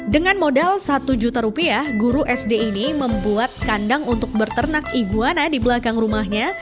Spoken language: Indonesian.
dengan modal satu juta rupiah guru sd ini membuat kandang untuk berternak iguana di belakang rumahnya